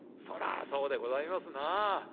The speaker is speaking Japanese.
「そらあそうでございますなあ。